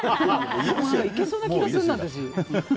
いけそうな気がするな、私。